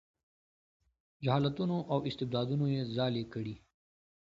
جهالتونو او استبدادونو یې ځالې کړي.